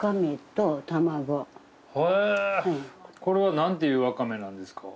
へえこれは何ていうワカメなんですか？